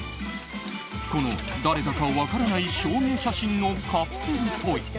この誰だか分からない証明写真のカプセルトイ。